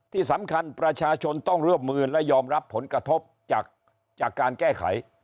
ที่สำคัญประชาชนต้องร่วมมือและยอมรับผลกระทบจากการแก้ไข